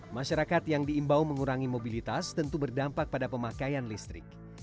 masyarakat yang diimbau mengurangi mobilitas tentu berdampak pada pemakaian listrik